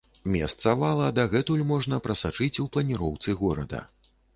Месца вала дагэтуль можна прасачыць у планіроўцы горада.